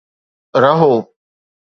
رهو